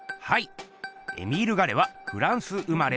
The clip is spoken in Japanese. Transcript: エミール・ガレはフランス生まれの工げい作家。